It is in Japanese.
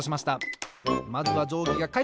まずはじょうぎがかいてん！